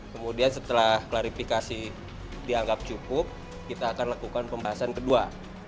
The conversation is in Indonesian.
kemudian setelah klarifikasi dianggap cukup kita akan lakukan pembahasan kedua